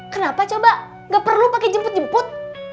kenapa coba gak perlu pakai jemput jemput